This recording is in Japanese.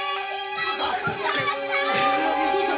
お母さん！